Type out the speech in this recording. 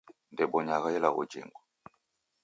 Ndebonyagha ilagho jingu